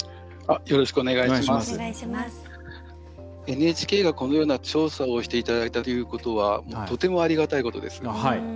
ＮＨＫが、このような調査をしていただいたということはとてもありがたいことです。